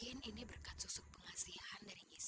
ini berkat susuk pengasiaan tbalance